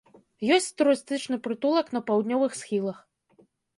Ёсць турыстычны прытулак на паўднёвых схілах.